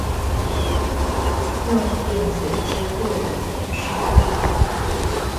用電子支付的點數